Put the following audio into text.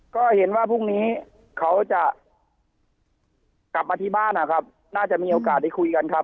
ก็เห็นว่าพรุ่งนี้เขาจะกลับมาที่บ้านนะครับน่าจะมีโอกาสได้คุยกันครับ